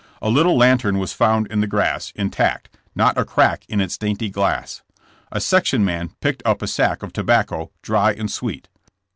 A little lantern was found in the grass, intact, not a crack in its dainty glass. A section man picked up a sack of tobacco, dry and sweet.